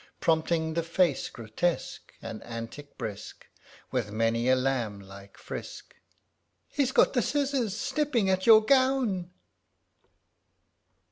Prompting the face grotesque, and antic brisk. With many a laml>like frisk, (He's got the scissors, snipping at your gown